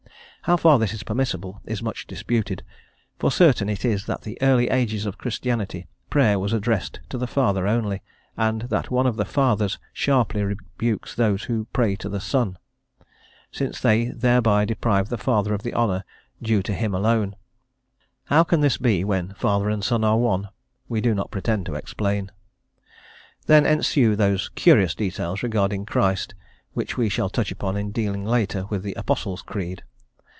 How far this is permissible is much disputed, for certain it is that in the early ages of Christianity prayer was addressed to the Father only, and that one of the Fathers* sharply rebukes those who pray to the Son, since they thereby deprive the Father of the honour due to Him alone. How this can be, when Father and Son are one, we do not pretend to explain. Then ensue those curious details regarding Christ which we shall touch upon in dealing later with the Apostles' Creed.